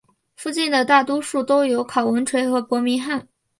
附近的大都市有考文垂和伯明翰。